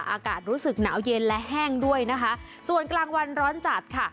อากาศรู้สึกหนาวเย็นและแห้งด้วยนะคะส่วนกลางวันร้อนจัดค่ะ